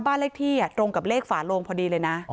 บ้านเลขที่ตรงกับเลขฝาโลงพอดีเลยนะ